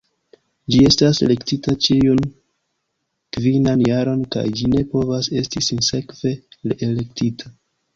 Ĝi estas elektita ĉiun kvinan jaron kaj ĝi ne povas esti sinsekve reelektita.